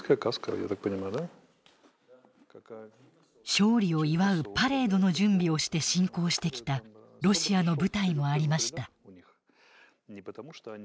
勝利を祝うパレードの準備をして侵攻してきたロシアの部隊もありました。